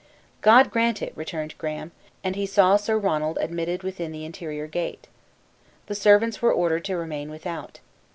"God grant it!" returned Graham; and he saw Sir Ronald admitted within the interior gate. The servants were ordered to remain without.